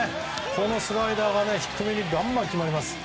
このスライダーが低めにバンバン決まります。